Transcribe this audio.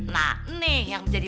nah nih yang jadi